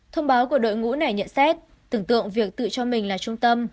thông báo của đội ngũ này nhận xét tưởng tượng việc tự cho mình là trung tâm